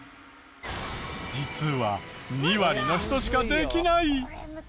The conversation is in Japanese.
実は２割の人しかできない。